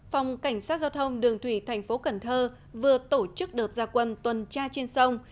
phòng cảnh sát giao thông đường thủy thành phố cần thơ vừa tổ chức đợt gia quân tuần tra trên sông